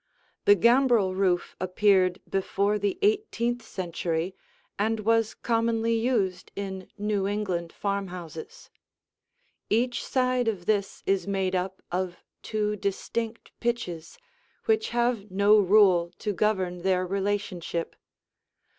The gambrel roof appeared before the eighteenth century and was commonly used in New England farmhouses. Each side of this is made up of two distinct pitches, which have no rule to govern their relationship.